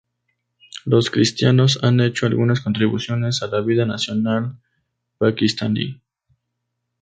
Los cristianos han hecho algunas contribuciones a la vida nacional paquistaní.